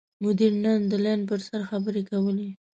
مدیر نن د لین پر سر خبرې کولې.